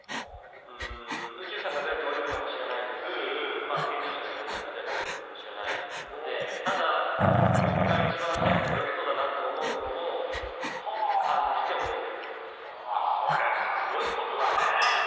宇宙さんがどう泳いでいるかも知らないですし、健常者の皆さんがどうかも知らないので僕が一番速く泳げそうだなと思うものをそれもすごいことだね。